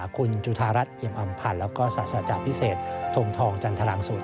คุณจุธารัฐเอียมอำพันธ์แล้วก็ศาสตราจารพิเศษทงทองจันทรังศูนย